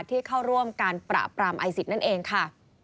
ที่เข้าร่วมการประปรามไอศิษย์นั่นเองค่ะ